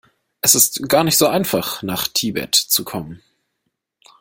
Es ist gar nicht so einfach nach Tibet zu kommen.